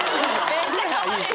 めっちゃかわいい！